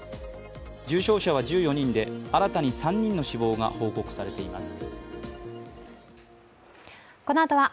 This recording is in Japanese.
重症者は１４人で新たに３人の死亡が報告されています。